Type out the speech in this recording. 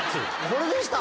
これでした？